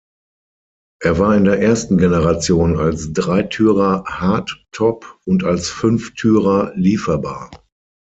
Er war in der ersten Generation als Dreitürer Hard-Top und als Fünftürer lieferbar.